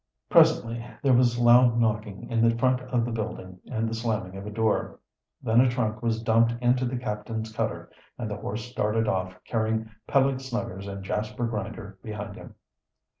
Presently there was loud knocking in the front of the building and the slamming of a door. Then a trunk was dumped into the captain's cutter, and the horse started off, carrying Peleg Snuggers and Jasper Grinder behind him.